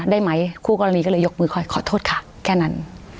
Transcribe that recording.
ได้ไหมคู่กรณีก็เลยยกมือค่อยขอโทษค่ะแค่นั้น